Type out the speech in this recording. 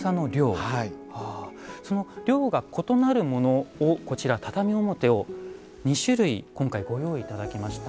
その量が異なるものをこちら畳表を２種類今回ご用意頂きました。